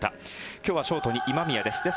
今日はショートに今宮です。